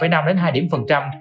nằm đến hai điểm phần trăm